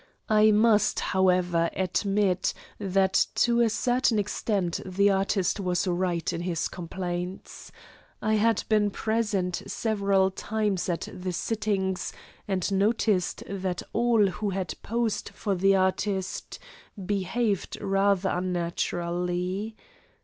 I must, however, admit that to a certain extent the artist was right in his complaints. I had been present several times at the sittings, and noticed that all who had posed for the artist behaved rather unnaturally.